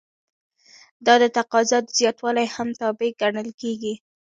دا د تقاضا د زیاتوالي هم تابع ګڼل کیږي.